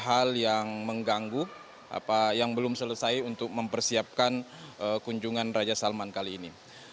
hal yang mengganggu apa yang belum selesai untuk mempersiapkan kunjungan raja salman kali ini